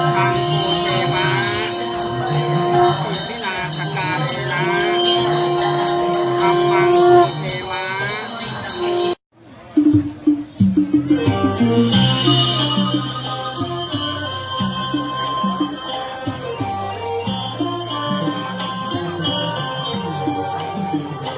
รอบครับ